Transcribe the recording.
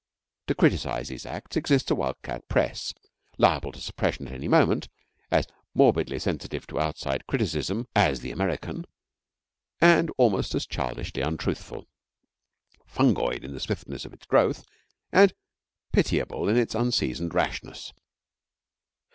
To criticise these acts exists a wild cat Press, liable to suppression at any moment, as morbidly sensitive to outside criticism as the American, and almost as childishly untruthful, fungoid in the swiftness of its growth, and pitiable in its unseasoned rashness.